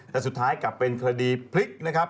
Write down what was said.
แต่สุดท้ายกลับเป็นคดีพลิกนะครับ